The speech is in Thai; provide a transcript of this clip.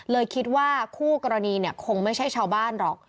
เลยคิดว่าคู่กรณีคงไม่ใช่ชาวบ้านหรอก